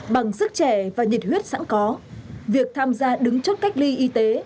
bằng sức trẻ và nhiệt huyết sẵn có việc tham gia đứng chốt cách ly y tế